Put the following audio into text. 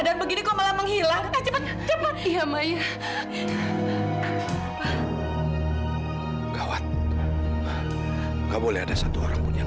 sampai jumpa di video selanjutnya